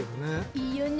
いいよね。